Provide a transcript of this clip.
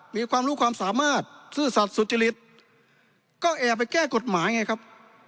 มีความรู้ความสามารถซื่อสัตว์สุจริตก็แอบไปแก้กฎหมายไงครับ